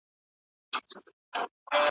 بلکې د کارولو او غورځولو لپاره ده